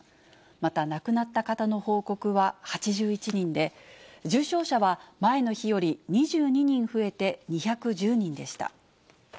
また亡くなった方の報告は８１人で、重症者は前の日より２２人増えて２１０人でした。